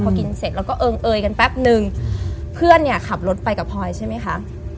พอกินเสร็จแล้วก็เอิงเอยกันแป๊บนึงเพื่อนเนี่ยขับรถไปกับพลอยใช่ไหมคะ